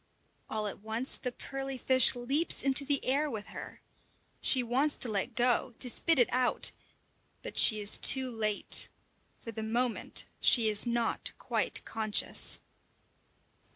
All at once the pearly fish leaps into the air with her. She wants to let go, to spit it out, but she is too late; for the moment she is not quite conscious.